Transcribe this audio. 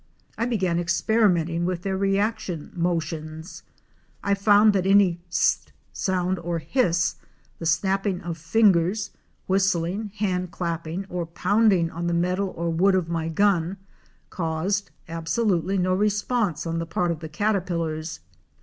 I began experimenting with their reaction motions. I found that any ssf sound or hiss, the snapping of fingers, whistling, hand clapping, or pounding on the metal or wood of my gun, caused absolutely no response on the part of the caterpillars.